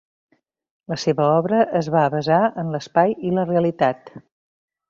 La seva obra es va basar en l'espai i la realitat.